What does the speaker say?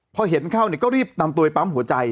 พอเห็นเข้าก็รีบนำตัวไปปั๊มหัวใจ